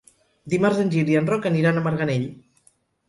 Dimarts en Gil i en Roc aniran a Marganell.